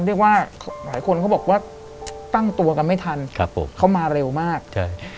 เรียกว่าหลายคนเขาบอกว่าตั้งตัวกันไม่ทันครับผมเขามาเร็วมากใช่